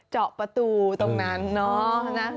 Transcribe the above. เจาะประตูตรงนั้น